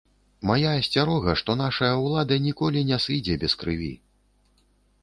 Мая асцярога, што нашая ўлада ніколі не сыдзе без крыві.